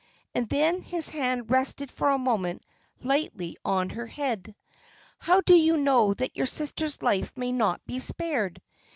And then his hand rested for a moment lightly on her head. "How do you know that your sister's life may not be spared?